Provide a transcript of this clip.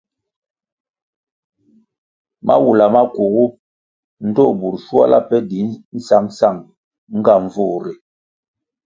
Mawula makugu, ndtoh burʼ shuala pe di sangsang nga nvur ri,